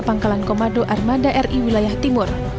pangkalan komando armada ri wilayah timur